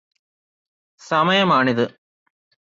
സമയമാണിത്